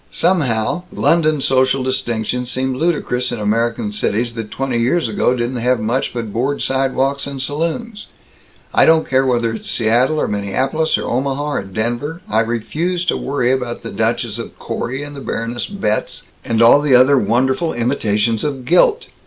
Somehow, London social distinctions seem ludicrous in American cities that twenty years ago didn't have much but board sidewalks and saloons. I don't care whether it's Seattle or Minneapolis or Omaha or Denver, I refuse to worry about the Duchess of Corey and the Baroness Betz and all the other wonderful imitations of gilt.